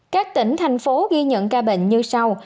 các tỉnh thành phố ghi nhận ca bệnh như sau